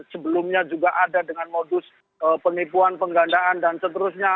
sebelumnya juga ada dengan modus penipuan penggandaan dan seterusnya